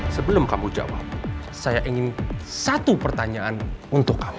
sebelum kamu jawab saya ingin satu pertanyaan untuk kamu